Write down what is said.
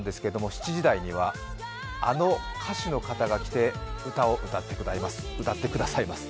７時台にはあの歌手の方が来て歌を歌ってくださいます。